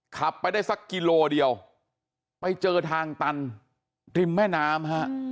ขับไปได้สักกิโลเดียวไปเจอทางตันริมแม่น้ำฮะ